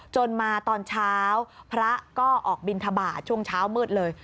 จนมาตอนเช้าพระก็ออกบินทบาทช่วงเช้ามืดเลย